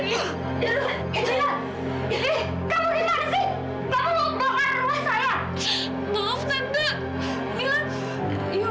ya allah gak tau kok sampai kayak gini